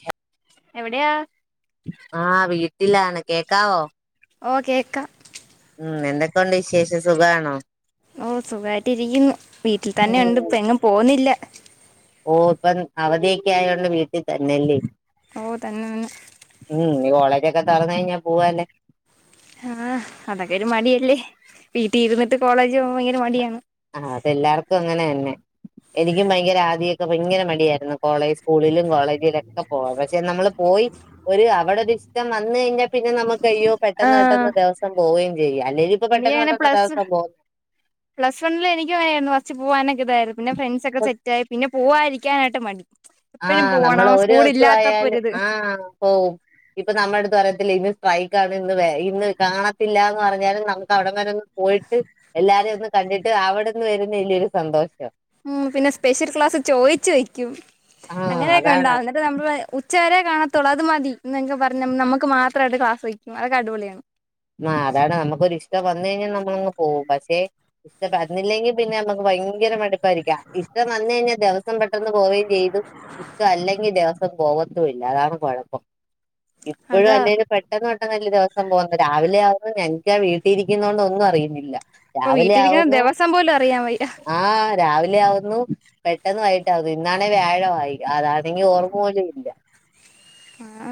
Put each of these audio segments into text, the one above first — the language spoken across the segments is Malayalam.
ചെയ എവിടെയാ ആഹ് വീട്ടിലാണ് കേക്കാവോ ഓഹ് കേക്ക ഉം എന്തൊക്കെയൊണ്ട് വിശേഷം സുഖമാണോ ഓഹ് സുഖായിട്ട് ഇരിക്കുന്നു വീട്ടിൽ തന്നെ ഉണ്ട് ഇപ്പ എങ്ങും പോന്നില്ല ഓഹ് ഇപ്പം അവധിയൊക്കെ ആയോണ്ട് വീട്ടിൽ തന്നെയല്ലേ ഓഹ് തന്നെതന്ന ഉം ഇനി കോളേജൊക്കെ തുറന്നു കഴിഞ്ഞാൽ പൂവാല്ലേ ആഹ് അതൊക്കെ ഒരു മടിയല്ലേ വീട്ടിൽ ഇരുന്നിട്ട് കോളേജ് പോകുമ്പോ ഭയങ്കര മടിയാണ് ആഹ് അതെല്ലാർക്കും അങ്ങനെ തന്നെ എനിക്കും ഭയങ്കര ആദ്യൊക്കെ ഭയങ്കര മടിയായിരുന്നു കോളേജ് സ്കൂളിലും കോളേജിലൊക്കെ പോവാൻ പക്ഷെ നമ്മള് പോയി ഒരു അവിടൊരു ഇഷ്ടം വന്ന് കഴിഞ്ഞാൽ പിന്നെ നമുക്കയ്യോ പെട്ടെന്ന് ആഹ് പെട്ടെന്ന് ദിവസം പോവുകയും ചെയും അല്ലെങ്കിൽ പെട്ടെന്ന് എനിക്കങ്ങനെ പെട്ടന്ന് അതാണ് പ്ലസ് സംഭവം പ്ലസ് വണ്ണില് എനിക്ക് വയ്യാരുന്നു കൊറച്ചു പോവാനൊക്കെ ഇതായിരുന്നു പിന്നെ ഫ്രണ്ട്സ് ഇപ്പൊ ഒക്കെ സെറ്റായി പിന്നെ പോവതിരിക്കാനായിട്ട് മടി എപ്പഴും ആഹ് നമ്മൾ പോണം ഒരു സ്കൂൾ ഇല്ലാത്തപ്പോ ദിവസായാലും ഒരിത് ആഹ് പോവും ഇപ്പൊ നമ്മുടെ എടുത്തു പ്രായത്തിലെ ഇന്ന് സ്ട്രൈക്കണ് ഇന്ന് വ ഇന്ന് കാണത്തില്ല എന്ന് പറഞ്ഞാലും നമുക്ക് അവിടെ വരെന്നും പോയിട്ട് എല്ലാരെയൊന്ന് കണ്ടിട്ട് അവിടെന്ന് വരുന്ന വലിയൊരു സന്തോഷം ഉം പിന്നെ സ്പെഷ്യൽ ക്ലാസ് ചോയിച്ച് വെക്കും ആഹ് അങ്ങനെയൊക്കെ അതാണ് ഉണ്ടാവ അത് നമ്മൾ ഉച്ചവരെ കാണത്തുള്ളൂ അത് മതി എന്നൊക്ക പറഞ് നമുക്ക് മാത്രമായിട്ട് ക്ലാസ് വക്കും അതൊക്ക അടിപൊളിയാണ് ആഹ് അതാണ് നമുക്കൊരിഷ്ടം വന്ന് കഴിഞ്ഞാൽ നമ്മളങ്ങ് പോകും പക്ഷെ [unintelligible] പിന്നെ നമുക്ക് ഭയങ്കര മട് രിക്കാം ഇഷ്ടം വന്നു കഴിഞ്ഞാൽ ദിവസം പെട്ടന്ന് പോവുകയും ചെയ്തു ഇഷ്ടം അല്ലെങ്കിൽ ദിവസ് സം പോവത്തുവില്ല അതാണ് കൊഴപ്പം ഇപ്പഴും അതാ അല്ലേല് പെട്ടെന്ന് പെട്ടെന്നല്ലേ ദിവസം പോന്നെ രാവിലെ ആവുമ്പ എനിക്ക വീട്ടിരിക്കുന്ന കൊണ്ട് ഒന്നും അറിയുന്നില്ല ഇപ്പൊ വീട്ടിരിക്കാൻ ദെവസം പോലും അറിയാൻ വയ്യ ആഹ് രാവിലെ ആവുന്നു പെട്ടെന്ന് വൈകിട്ടാവുന്നു ഇന്നാണേ വ്യാഴവായി അതാണെങ്കി ഓർമ്മ പോലും ഇല്ല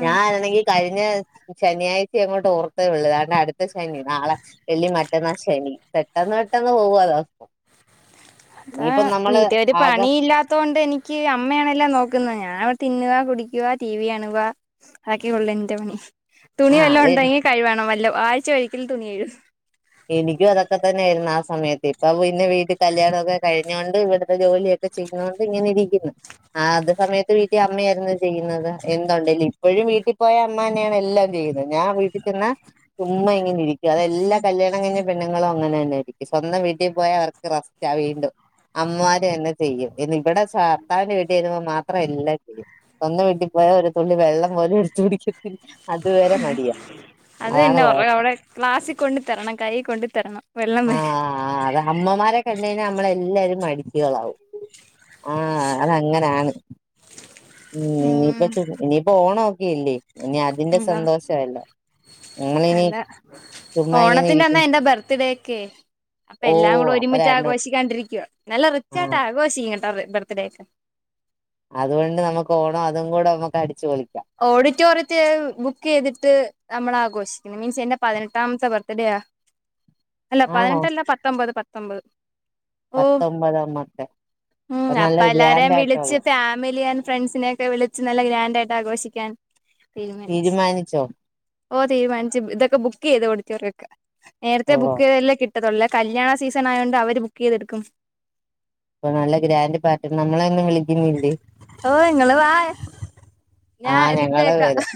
ഞാനാണെങ്കി കഴിഞ്ഞ ശനിയാഴ്ച അങ്ങോട്ട് ഓർത്തേ ഉള്ളു താണ്ട അടുത്ത ശനി നാളെ വെള്ളി മ റ്റന്നാ ശനി പെട്ടെന്ന് പെട്ടെന്ന് പോവ ദെ അതാ വീട്ടി ഒരു ആകെ പണി ഇല്ലാത്തൊണ്ട് എനിക് ക്ക് അമ്മയാണെല്ലാം നോക്കുന്നെ ഞാൻ തിന്നുക കുടിക്കുക ടി വി കാണുവ അതൊക്കെ ഒള്ളൂ എന്റെ പണി തുണി ആ വല്ലോം അത് ഉണ്ടെങ്കി കഴിവണം വല്ല ആഴ്ച ഒരിക്കൽ തുണി കഴുകും എനിക്കും അതൊക്കെ തന്നൊയായിരുന്നു ആ സമയത്ത് ഇപ്പൊ പിന്നെ വീട്ടിൽ കല്യാണവൊക്കെ കഴിഞ്ഞൊണ്ട് ഇവിടെ ജോലിയൊക്കെ ചെയ്തോണ്ട് ഇങ്ങനെ ഇരിക്കുന്നു ആഹ് അത് സമയത്ത് വീട്ടിൽ അമ്മയായിരുന്നു ചെയ്യുന്നത് എന്തുണ്ടേലും ഇപ്പോഴും വീട്ടിൽ പോയ അമ്മ തന്നെയാണ് എല്ല ജോലി ചെയ്യുന്നത് ഞാൻ വീട്ടിൽ ചെന്ന ചുമ്മ ഇങ്ങനെ ഇരിക്കും അതെല്ലാം കല്യാണം കഴിഞ്ഞ പെണ്ണു ങ്ങളും അങ്ങനെ തന്നെയായിരിക്കും സ്വന്തം വീട്ടിൽ പോയ അവർക്ക് റസ്റ്റ വീണ്ടും അമ്മമാര് തന്ന ചെയ്യും ഇന്നിവിട ഭർത്താവിന്റെ വീട്ടി ചെല്ലുമ്പോൾ മാത്രം എല്ലാം ചെയ്യും സ്വന്തം വീട്ടി പോയാ ഒരു തുള്ളി വെള്ളം പോലും എടുത്തു കുടിക്കത് ത്തില്ല. അതുവരെ മടിയാ അതാണ് കൊഴപ്പം ഗ്ലാസി കൊണ്ട് തരണം കയ്യി കൊണ്ടു തരണം വെള്ളം വരെ ആഹ് അത അമ്മമാരെ കണ്ട് കഴിഞ്ഞാ നമ്മളെ എല്ലാരും മടിച്ചികളാവും ആഹ് അതങ്ങനാണ് ഉം ഇനിയിപ്പ ഇനിയിപ്പോ ഓണവൊക്കെ അല്ലെ ഇനി അതിന്റെ എന്താ സന്തോഷവയെല്ലാം അല്ല ഇങ്ങനെ ഇരിക്കും ഓണത്തിന്റന്നാ എന്റെ ബർത്ത്ഡേ ഒക്കെയെ അപ്പൊ ഓ എല്ലാം കൂടെ അപ്പൊ ഒരുമിച്ച് രണ്ടു ആഘോഷിക്കാണ്ടിരിക്കുവ നല്ല റിചായിട്ട് ആഹ് ആഘോഷിക്കും കേട്ട ബർത്ത്ഡേ ഒക്ക അതുകൊണ്ട് നമുക്ക് ഓണം അതും കൂടെ നമുക്ക് അടിച്ചുപൊളിക്കാം ഓഡിറ്റോറിയത്തി ബുക്ക് ചെയ്തിട്ട് നമ്മൾ ആഘോഷി മീൻസ് എന്റെ പതിനെട്ടാമത്തെ ബർത്ത്ഡേയാ [inaudible] അല്ല ആണോ പതിനെട്ടല്ല പത്തൊമ്പത് പത്തൊമ്പത് ഓഹ് പത്തൊമ്പതാമത്തെ അപ്പൊ ഉം നല്ല അപ്പ എല്ലാരെയും ഗ്രാൻഡായിട്ടുള്ള വിളിച്ച് ഫാമിലി ആൻഡ് ഫ്രണ്ട്സിനെ ഒക്കെ വിളിച്ച് നല്ല ഗ്രാൻഡായിട്ട് ആഘോഷിക്കാൻ തീരുമാനിച്ചു തീരുമാനിച്ചോ ഓഹ് തീരുമാനിച്ചു ഇതൊക്കെ ബുക്ക് ചെയ്ത് ഓഡിറ്റോറിയം ഒക്ക നേരത്തെ ഓഹ് ബുക്ക് ചെയ്താലല്ലേ കിട് ട്ടത്തൊള്ള് കല്യാണ സീസൺ ആയോണ്ട് അവര് ബുക്ക് ചെയ്തെടുക്കും ഇപ്പൊ നല്ല ഗ്രാൻഡ് പാർട്ടി നമ്മളെ ഒന്നും വിളിക്കുന്നില്ലേ ഓഹ് നിങ്ങള് വായൊ ആഹ് ഞങ്ങള് വരാം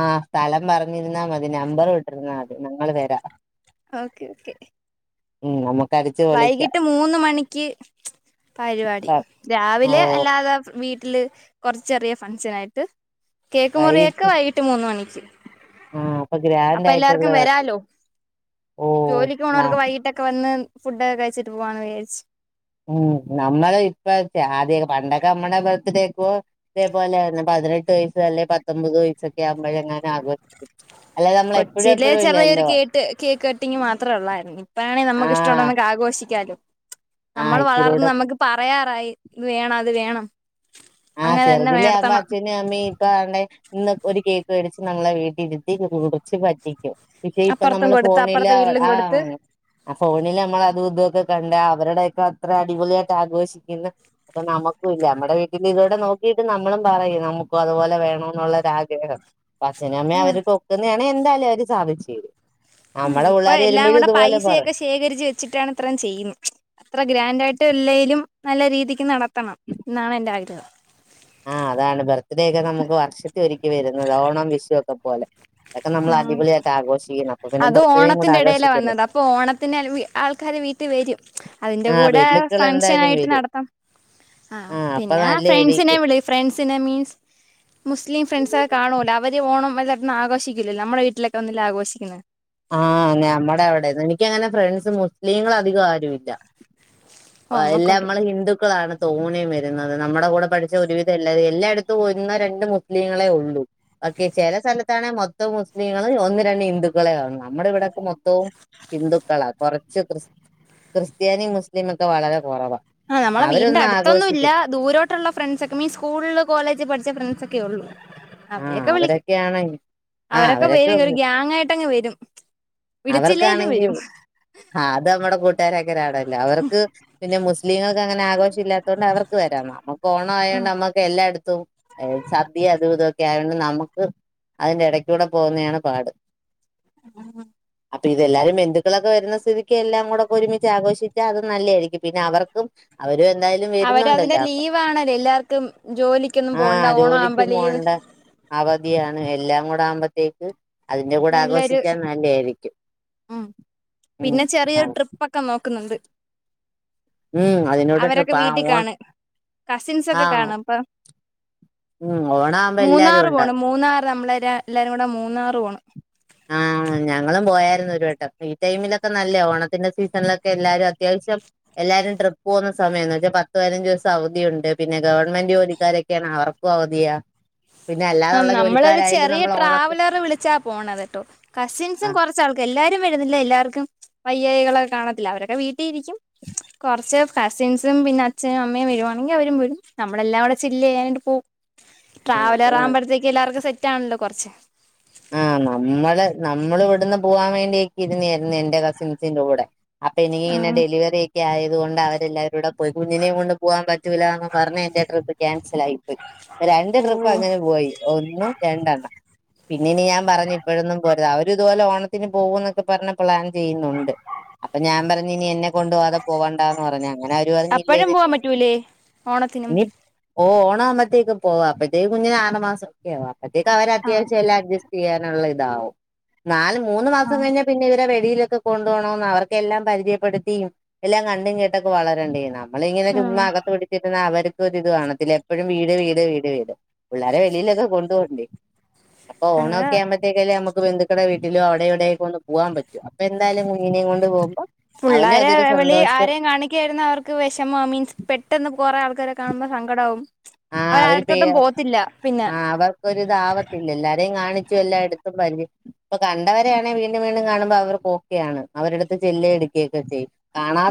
ആഹ് സ്ഥലം പറഞ്ഞിരുന്നാ മതി നമ്പർ ഇട്ടിരുന്നാൽ മതി ഞങ്ങള് വരാം ഓക്കെ ഓക്കെ ഉം നമുക്കടിച്ച് വൈകിട്ട് മൂന്ന് മണിക്ക് ക പരിപാടി ഓ രാവിലെ അല്ലാതെ വീ ട്ടില് കുറച്ച് ചെറിയ ഫംഗഷൻ ആയിട്ട് കേക്ക് മുറിയൊക്കെ വൈകിട്ട് മൂന്ന് മണിക്ക് ആ അപ്പൊ ഗ്രാൻഡ് അപ്പൊ എല്ലാവർക്കും ആയിട്ടുള്ളതാക്കി വരാലോ ഓ ജോലിക്ക് ന പോണവർക്ക് വൈകിട്ടക് ക്കെ വന്ന് ഫുഡൊക്ക കഴിച്ചട്ട് പോവാന്ന് വിചാരിച്ച് ഉം നമ്മള് ഇപ്പ ആദ്യ പണ്ടൊക്കെ അമ്മടെ ബർത്ത്ഡേക്കോ. ഇതേപോലെ ആയിരുന്നു പതിനെട്ട് വയസ്സ് അല്ലെങ്കി പത്തൊമ്പത് വയസ്സൊക്കെ ആവുമ്പോഴെങ്ങാനും ആഘോഷിക്കും. അല്ലാതെ നമ്മള് എപ്പഴും കൊച്ചിയില് എപ്പഴും ചെറിയൊരു ഇല്ലല്ലോ കേട്ട് കേക്ക് കട്ടിങ്ങ് മാത്രോ ഉള്ളായിരുന്നു ഇപ്പഴാണെങ്കിൽ ആഹ് നമുക്കിഷ്ടമ്മുള്ളത് ആഘോഷിക്ക ലും ആഹ് നമ്മൾ വളർന്ന് ഇച്ചിരൂടെ നമുക്ക് പറയാറായി ഇത് വേണം അത് വേണം. ആഹ് അങ്ങനെ തന്നെ ചെറുതിലേ ആവുമ്പാ നടത്തണം ചെ പിന്നെമ്മീ കാണ് ണെ ഇപ്പ അ ഇന്ന് ഒരു കേക്ക് മേടിച്ച് നമ്മളെ വീട്ടിരുത്തി കുടിച്ച് പറ്റിക്കും പക്ഷെ ഇപ്പ അപ്പുറത്തും നമ്മള് കൊടുത്ത് ഫോണിലാ അപ്പുറത്തെ അവിടെ വീട്ടിലും കൊടുത്ത് ആണ് ആ ഫോണിൽ നമ്മൾ അതും ഇതൊക്കെ കണ്ട അവരുടെയൊക്കെ അത്ര അടിപൊളിയായിട്ട് ആഘോഷിക്കുന്നു. അപ്പ നമുക്കൂല്ല നമ്മടെ വീട്ടി പിന്നെ ഇതോടെ നോക്കിയിട്ട് നമ്മളും പറയും നമുക്കും അതുപോലെ വേണം എന്നുള്ളൊര് ആഗ്രഹം അച്ചഛനും അമ്മയും ആഹ് അവര് ഒക്കുന്നാണെങ്കി എന്തായാലും അവര് സാധിച്ച് തരും. ഉം നമ്മളെ ഇപ്പൊ പിള്ളോര് എല്ലാം വരുമ്പോഴും കൂടെ ഇതുപോലെ പൈസയൊക്കെ പറയും. ശേഖരിച്ച് വെച്ചിട്ടാണ് ഇത്രയും ചെയ്യുന്നത് അത്ര ഗ്രാൻഡ് ആയിട്ട് അല്ലേലും നല്ല രീതിക്ക് നടത്തണം എന്നാണ് എൻ്റെ ആഗ്രഹം. ആഹ് അതാണ് ബർത്ത്ഡേ ഒക്കെ നമക്ക് വർഷത്തിൽ ഒരിക്കെ വരുന്നതാ ഓണം വിഷും ഒക്കെ പോലെ. അതൊക്കെ നമ്മള ആഹ് അടിപൊളിയായിട്ട് ആഘോഷിക്കുന്നു അപ്പൊ പിന്നെ ബർത്ത്ഡേയും കൂടെ ആഘോഷിക്കുന്നു ഇപ്പോ ഓണത്തിന് അൽ ആൾക്കാർ വീട്ടിൽ വരും. അതിന്റെ ആ കൂടെ ബന്ധുക്കൾ ഫക്ഷൻ എന്തായാലും ആയിട്ട് വരും നടത്താം ആ അപ്പൊ പിന്നേ ഫ്രണ്ട്സിനെ നല്ലയായിരിക്കും വിളി ഫ്രണ്ട്സിനെ മീൻസ് മുസ്ലിം ഫ്രണ്ട്സ് ഒക്കെ കാണുമല്ലൊ അവര് ഓണം വല്തായിട്ടൊന്നും ആഘോഷിക്കില്ലല്ലോ നമ്മളെ വീട്ടിലൊക്കെ വന്നല്ലെ ആഘോഷിക്കുന്നത്. ആഹ് ഞമ്മടെ അവിടെ എനിക്കങ്ങനെ ഫ്രണ്ട്സ് മുസ്ലിങ്ങൾ അധികം ആരു ഇല്ല്യാ ഓ എല്ലാം അമ്മക്കൊണ്ട് നമ്മള് ഹിന്ദുക്കളാണ്. തോനിം വരുന്നത് നമ്മുടെ കൂടെ പഠിച്ചത് ഒരുവിധല്ലയെല്ലാരും എല്ലായിടത്തും ഒന്നോ രണ്ടോ മുസ്ലിങ്ങളെ ഉള്ളൂ. ഓക്കെ ചില സ്ഥലത്താണെങ്കി മൊത്തം മുസ്ലിങ്ങളും ഒന്ന് രണ്ട് ഹിന്ദുക്കളെ കാണു ആ നമ്മടെ ഇവിടെയൊക്കെ മൊത്തവും ഹിന്ദുക്കളാ കൊറച്ച് ക്രിസ് ക്രിസ്ത്യാനി മുസ്ലിംമൊക്കെ വളരെ കുറവാ. ആഹ് നമ്മടെ വീടിന്റെ അവരൊന്നും അടുത്തൊന്നും ഇല്ല ആഘോഷിക്കും ദൂരോട്ട് ട്ടുള്ള ഫ്രണ്ട്സ് ഒക്കെ മീൻസ് സ്കൂള് കോളേജ് പഠിച്ച ഫ്രണ്ട്സ് ഒക്കെ ഉള്ളൂ ആഹ് അവരൊക്കെ വിളിക്കും അവരൊക്കെയാണെങ്കി അവരൊക്കെ വരും ഒരു ഗ്യാങ്ങ് ആയിട്ടങ്ങ് വരും. വിളിച്ചില്ലേലും അവർക്കാണെങ്കിൽ വരും. ആഹ് അത് നമ്മടെ കൂട്ടുകാര അങ്ങനാണല്ലൊ അവർക്ക് പിന്നെ മുസ്ലീങ്ങൾക്ക് അങ്ങനെ ആഘോഷം ഇല്ലാ ണ്ട് അവർക്ക് വരാം നമ്മക്ക് ഓണാ ആയതോണ്ട് നമ്മുക്ക് എല്ലായിടത്തും ഹ് സദ്യും അതും ഇതൊ ആയോണ്ട് നമക്ക് അതിന്റെ ഇടയ് കൂടെ പോകുന്നതാണ് പാട് ഉം അപ്പൊ ഇതെല്ലാരും ബന്ധുക്കളൊക്കെ വരുന്ന സ്ഥിതിക്ക് എല്ലാം കൂടെ ഒക്കെ ഒരുമിച്ച് ആഘോഷിച്ചാ അത് നല്ല്യേ ആയിരിക്കും പിന്നെ അവർക്കും അവരും എന്തായാലും അവര് അതിന്റെ വരുന്നുണ്ടല്ലോ. അപ്പൊ ലീവ് ആണല്ലോ എല്ലാവർക്കും ജോലിക്കൊന്നും ആഹ് പോണ്ട ഓണം ആവുമ്പോ ജോലിക്കും ലീവ് പോകണ്ട. അവധിയാണ് എല്ലാം കൂടെ ആവുമ്പഴ്ത്തേക്ക് അതിന്റെ കൂടെ നല്ലൊരു ആഘോഷിച്ചാൽ നല്ല്യേ ആയിരിക്കും. ഉം ഉം പിന്നെ ആ ചെറിയൊരു ട്രിപ്പ് ഒക്കെ നോക്കുന്നുണ്ട്. ഉം അതിനോട് അവരൊക്കെ ട്രിപ്പ് ആ വീട്ടിൽ ഓ കാണും കസിൻസ് ആ ഒക്കെ കാണും അപ്പൊ ഉം ഓണാകുമ്പോ എല്ലാരും മൂന്നാറ് ഉണ്ടാവും പോണം മൂന്നാറ് നമ്മളെ എര എല്ലാരും കൂടെ മൂന്നാറ് പോണം. ആഹ് ഞങ്ങളും പോയായിരുന്നു ഒരു വട്ടം ഈ ടൈമിലൊക്കെ നല്ലേ ഓണത്തിന്റെ സീസണിലൊക്കെ എല്ലാരും അത്യാവശ്യം- എല്ലാരും ട്രിപ്പ് പോകുന്ന സമയാ. എന്ന് വെച്ചാ പത്ത്പതിനഞ്ച് ദിവസം അവധിയുണ്ട് പിന്നെ ഗവൺമെന്റ് ജോലിക്കാരൊക്കെയാണെ അവർ അവധിയാ പിന്നെ ആഹ് അല്ലാതുള്ള നമ്മളൊരു ജോലിക്കാരായാലും ചെറിയ നമ്മൾ ഓണത്തി ട്രാവലർ വിളിച്ചാ പോണത് കേട്ടോ കസിൻസും ആഹ് കൊറച്ചാൾക് എല്ലാരും വരുന്നില്ല എല്ലാവർക്കും വയ്യായികളൊക്കെ കാണത്തില്ലെ അവരൊക്കെ വീട്ടിലിരിക്കും കൊർച്ച് കസിൻസും പിന്നെ അച്ഛനും അമ്മയും വരുവാണെങ്കിൽ അവരും വരും നമ്മളെല്ലാം വിടെ ചില്ല് ചെയ്യാനായിട്ട് പോവും ആഹ് അത് ട്രാവലർ വേണം. ആവുമ്പോഴത്തേക്ക് എല്ലാവർക്കും സെറ്റ്ആവണല്ലോ കുറച്ച് ആഹ് നമ്മള് നമ്മള് ഇവിടുന്ന് പോവാൻ വേണ്ടിക്കി ഇരുന്നായിരുന്നു എന്റെ കസിൻസിന്റെകൂടെ അപ്പൊ ആ എനിക്കിങ്ങനെ ഡെലിവറി ഒക്കെ ആയത കൊണ്ട് അവരെല്ലാവരും വ്ടെപോയി കുഞ്ഞിനെയും കൊണ്ട് പോകാൻ പറ്റൂല്ല എന്ന് പറഞ്ഞ് എന്റെ ട്രിപ്പ് ക്യാൻസൽ ആയി പോയി രണ്ട് ഓ ട്രിപ്പ് അങ്ങനെ പോയി ഒന്നും രണ്ടെണ്ണം പിന്നീന് ഞാൻ പറഞ്ഞു ഇപ്പഴൊന്നും പോരുത് അവര് ഇതുപോലെ ഓണത്തിന് പോകു എന്നൊക്കെ പറഞ് പ്ലാൻ ചെയ്യുന്നുണ്ട് അപ്പൊ ഞാൻ പറഞ്ഞ് ഇനി എന്നെ കൊണ്ട് പോവാതെ പോകണ്ടാ എന്ന് പറഞ്ഞ് അങ്ങനെ അവരു പറഞ്ഞു ഇല്ല അപ്പഴും പോവാൻ ഇ പറ്റൂലേ ഓണത്തിനും ഓഹ് ഓണാവുമ്പത്തേക് പോക അപ്പത്തേക് കുഞ്ഞിനെ ആറ് മാസംക്കെ ആകും അപ്പഴത്തേക്ക് അവര ആഹ് അത്യാവശ്യം എല്ലാ അട്ജെസ്റ്റ് ചെയ്യാനുള്ളതാകും നാല് മൂന്ന് മാസം ആഹ് കയിഞ്ഞ പിന്നെ ഇവരെ വെളിയിലൊക്കെ കൊണ്ടു പോണംന്ന് അവർക്കെല്ലാം പരിചയപ്പെടുത്തിയും എല്ലാം കണ്ടും കേട്ടൊക്കെ വളരണ്ടെ നമ്മളിങ്ങനെ ഉം ചുമ്മാ അകത്ത് പിടിച്ചിരുന്ന അവരും ഇത് കാണത്തില്ല എപ്പോഴും വീട് വീട് വീട് വീട് പിള്ളേരെ വെളിയിലൊക്കെ കൊണ്ടുപോണ്ടേ അപ്പൊ അത് ഓണോക്കെ ആവുമ്പോ തേക്കും ക്കല്ലേ നമുക്ക് ബന്ധുക്കട വീട്ടിലും അവിടെ ഇവിടെക്കെ ഒന്ന് പോവാൻ പറ്റു അപ്പൊ എന്തായാലും കുഞ്ഞിനേം കൊണ്ട് പോകുമ്പോ അവനും പുള്ളേരെ അതൊരു വെളി സന്തോഷം ആരെയും കാണിക്കായിരുന്ന അവർക്ക് ക്ക് വിഷമോ മീൻസ് പെട്ടെന്ന് കുറേ ആൾക്കാരെ കാണുമ്പോ സങ്കടാവും ആ അവരടുത്തോട്ടും പോകത്തില്ല പിന്നെ ഒരു ഇതാവത്തില്ല എല്ലാരേം കാണിച്ചു എല്ലാം എടുത്തും പരി ഇപ്പൊ കണ്ടവര ആണെങ്കിൽ വീണ്ടും വീണ്ടും കാണുമ്പോ അവർക്ക്ഓക്കെയാണ് അവരടുത്ത് ചെല്ലെ എടുക്കുകയൊക്കെ ചെയ്യും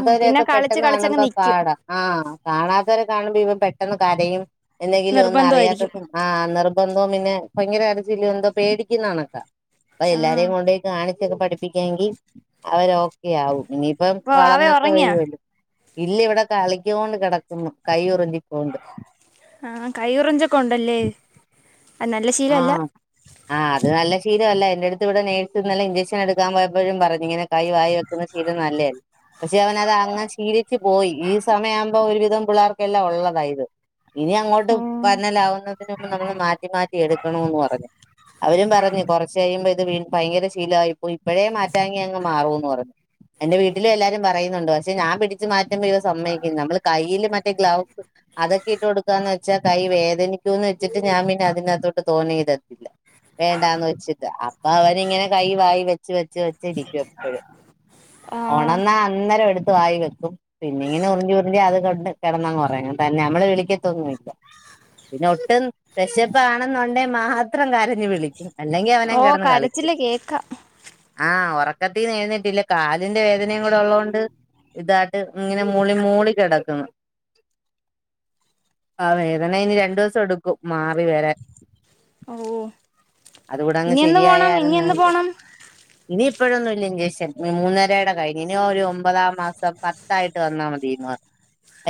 ഉം പിന്നെ കളിച്ച് പെട്ടെന്ന് കളിച്ചങ്ങ് കാണുമ്പോ നിക്കും പാടാ ആഹ് കാണാത്തവരെ കാണുമ്പോ ഇവൻ പെട്ടെന്ന് കരയും എന്തെങ്കിലും ഒന്നും അറിയാത്ത നിർബന്ധമായിരിക്കും ആഹ് നിർബന്ധവും പിന്നെ ഭയങ്കര കർച്ചീലും എന്തോ പേടിക്കുന്ന കണൊക്കാ അപ്പ ആഹ് എല്ലാരെയും കൊണ്ടുപോയി കാണിച്ചൊക്കെ പഠിപ്പിക്കാെങ്കിൽ അവര ഓക്കെയാവും ഇനി അപ്പം അപ്പൊ വാവേ വളർന്നൊക്കെ ഉറങ്ങിയാ വരുവല്ലോ ഇല്ലെ ഇവിടെ കളിക്കൊണ്ട് കിടക്കുന്നു കൈയൂറമ്പിക്കൊണ്ട് ആഹ് കൈയുറഞ്ചൊക്കെ ഉണ്ടല്ലേ അത് നല്ല ശീലല്ല ആഹ് ആഹ് അത് നല്ല ശീലല്ല എന്റെ അടുത്ത് ഇവിടെ നേഴ്സ് നല്ല ഇഞ്ചെക്ഷൻ എടുക്കാൻ പോയപ്പോഴും പറഞ്ഞു ഇങ്ങനെ കൈ വായി വെക്കുന്ന ശീലം നല്ലതല്ല പക്ഷെ അവനത് അങ്ങെ ശീലി ച്ച് പോയി ഈ സമയമാവുമ്പോ ഒരു വിധം പിള്ളേർക്കെല്ലാം ഉള്ളത ഇത് ഇനി അങ്ങോട്ട് ഉം പറഞ്ഞലാവുന്നതിന് മുമ്പ് നമ്മൾ മാറ്റി മാറ്റി എടുക്കണന്ന് പറഞ്ഞ് അവരും പറഞ്ഞു കുറച്ച കഴിയുമ്പോ ഇത് ഭയങ്കര ശീലമായിപ്പോയി ഇപ്പഴേ മാറ്റാങ്ങി അങ്ങ് മാറൂന്ന് പറഞ്ഞു എന്റെ വീട്ടില എല്ലാരും പറയുന്നുണ്ട് പക്ഷെ ഞാൻ പിടിച്ച് മാറ്റുമ്പോ ഇവൻ സമ്മക്കുന്നു നമ്മൾ കയ്യിയില് മറ്റേ ഗ്ലൗസ് അതൊക്കെ ഇട്ട് കൊടുക്കാന്ന് വെച്ചാൽ കൈ വേദനിക്കൂന്ന് വച്ചിട്ട്ഞാൻ പിന്നെ അതിനകത്തോട്ട് തോനെടത്തില്ല വേണ്ടാന്ന് വെച്ചിട്ട് അപ്പൊ അവരിങ്ങനെ കൈ വായി വെച്ച് വെച്ച് വെച്ചിരിക്കും എപ്പഴും ആഹ് ഉണർന്നാ അന്നേരം എടുത്ത് വായി വെക്കും പിന്നെ ഇങ്ങനെ ഉറഞ്ചി ഉറഞ്ചി അത് കൊണ്ട് കിടന്ന് ഉറങ്ങും തന്നെ നമ്മളെ വിളിക്കത്തൊന്നുല്ല പിന്നെ ഒട്ടും വിശപ്പാണെന്നുണ്ടേ മാത്രം കരഞ്ഞു വിളിക്കും അല്ലെങ്കി ഓ അവന്ങ്ങ് കിടന്ന് കളിക്കും കരച്ചില് കേക്കാം ആഹ് ഉറക്കത്തിന്നെഴ്നേറ്റ് കാലിന്റെ വേദനയും കൂടെ ഉള്ളതുകൊണ്ട് ഇതാട്ട് ഇങ്ങനെ മൂളി മൂളി കിടക്കുന്നു ആഹ് വേദന ഇനി രണ്ടു ദിവസം എടുക്കും മാറി വരാൻ, ഓഹ് അതുകൂടെ അങ്ങ് ശെരിയായാരുന്നേ എന്ന് പോണം ഇനി ഇപ്പോഴൊന്നും ഇല്ല ഇൻജെക്ഷൻ മൂന്നരയുടെ കഴിഞ്ഞ് ഇനി ഒരു ഒമ്പതാം മാസം പത്തായിട്ട് വന്നാൽ മതിയെന്ന് പറഞ്ഞ്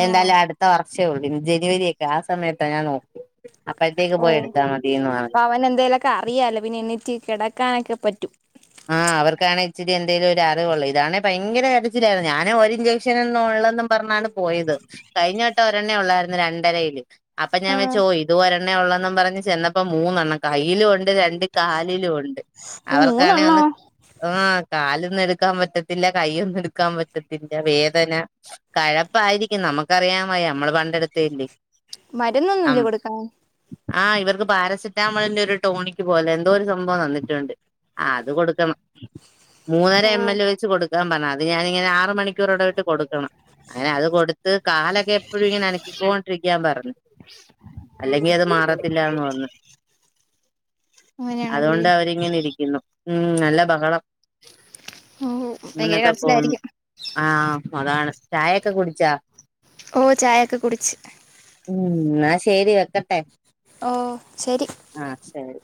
ഓ എന്തായാലും അടുത്ത വർഷേ ഉള്ളൂ ജനുവരിയൊക്കെ ആഹ് സമയത്താ ഞാൻ നോക്കി അപ്പഴത്തേക്ക് ഓ പോയെടു ത്താ മതിയെന്ന് പറ അപ്പൊ അവന് എന്തേലുവൊക്കെ അറിയാലോ പിന്നെ എണീറ്റ് കെടക്കാനൊക്കെ പറ്റും. ആഹ് അവർക്കാണെ ഇച്ചിരി എന്തേലും ഒരു അറിവുള്ളു ഇതാണേ ഭയങ്കര കരച്ചിലായിരുന്നു ഞാന് ഒര് ഇൻജെക്ഷന് ഒന്നും ഉള്ളന്നും പറഞ്ഞാണ് പോയത് കഴിഞ്ഞവട്ടം ഒരെണ്ണേ ഒള്ളായിരുന്നു രണ്ടരയില് അപ്പൊ ഞാൻ ആഹ് വെച്ചു ഇതും ഒര ണ്ണേയുള്ളെന്ന് പറഞ്ഞ് ചെന്നപ്പോ മൂന്നെണ്ണം കയിലും ഉണ്ട് രണ്ട് കാലിലും ഉണ്ട് അവർ മൂന്നെണ്ണോ? ആഹ് കാലൊന്നു എടുക്കാൻ പറ്റത്തില്ല കൈയൊന്നും എടുക്കാൻ പറ്റത്തില്ല വേദന. കഴപ്പിയിരിക്കും നമുക്കറിയാൻ വയ്യ നമ്മള് പണ്ടെടുത്തയല്ലെ മരുന്നൊന്നും ഇല്ലേ കൊടുക്കാൻ ആഹ് ഇവർക്ക് പാരസെറ്റാമോളിന്റെ ഒരു ടോണിക്ക് പോലെ എന്തോ ഒരു സംഭവം തന്നിട്ടുണ്ട്. ആഹ് അത് കൊടുക്കണം മൂന്നര ഓ എം എൽ വെച്ച് കൊടുക്കാൻ പറഞ്ഞതാ അത് ഞാനിങ്ങനെ ആറ് മണിക്കൂർ എട വിട്ട് കൊടുക്കണം. അങ്ങനെ അത് കൊടുത്ത് കാലൊക്കെ എപ്പോഴും ഇങ്ങനെ അനക്കിക്കോണ്ടിരിക്കാൻ പറഞ്ഞു. അല്ലെങ്കി അത് മാറത്തില്ലാന്ന് പറഞ്ഞു. അങ്ങനെയാണല്ലേ അതുകൊണ്ട് അവരിങ്ങനെ ഇരിക്കുന്നു. ഉം നല്ല ബഹളം ഓ ഭയങ്കര മോനൊക്കെ പോന്നു. കരച്ചിലായിരിക്കും ആഹ് അതാണ് ചായയൊക്കെ കുടിച്ചോ? ഓഹ് ചായയൊക്കെ കുടിച്ച്. ഉം എന്നാ ശെരി വെക്കട്ടെ. ഓ ശെരി. ആഹ് ശെരി.